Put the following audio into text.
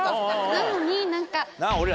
なのに何か。